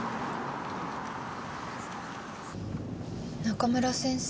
中村先生